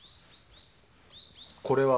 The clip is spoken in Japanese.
これは？